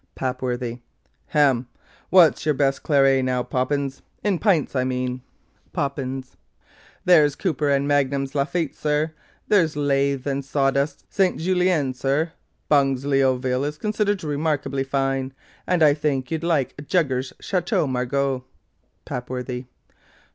PAPWORTHY. 'Hem! What's your best claret now, Poppins? in pints, I mean.' POPPINS. 'There's Cooper and Magnum's Lafitte, sir: there's Lath and Sawdust's St. Julien, sir; Bung's Leoville is considered remarkably fine; and I think you'd like Jugger's Chateau Margaux.' PAPWORTHY.